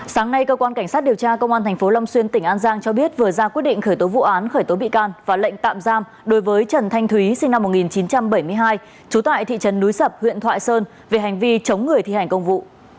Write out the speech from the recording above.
sáng nay cơ quan cảnh sát điều tra công an tp long xuyên tỉnh an giang cho biết vừa ra quyết định khởi tố vụ án khởi tố bị can và lệnh tạm giam đối với trần thanh thúy sinh năm một nghìn chín trăm bảy mươi hai trú tại thị trấn núi sập huyện thoại sơn về hành vi chống người thi hành công vụ